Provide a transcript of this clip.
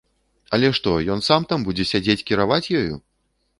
Але што, ён сам там будзе сядзець кіраваць ёю?